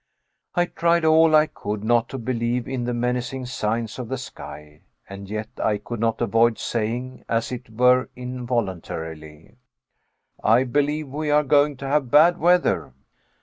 I tried all I could not to believe in the menacing signs of the sky, and yet I could not avoid saying, as it were involuntarily: "I believe we are going to have bad weather."